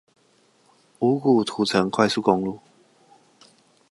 五股土城快速公路